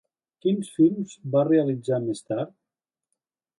Quins films va realitzar més tard?